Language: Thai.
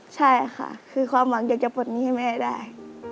ใช่ค่ะคือความหวังอยากจะปลดหนี้ให้แม่ได้